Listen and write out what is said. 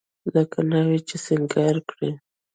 لکه ناوې چې سينګار کړې.